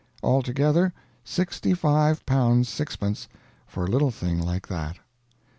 Altogether, sixty five pounds sixpence for a little thing like that."